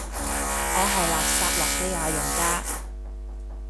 我係垃圾諾基亞用家